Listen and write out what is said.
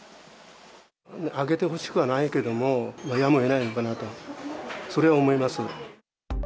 上げてほしくはないけど、やむをえないのかなと、それは思います。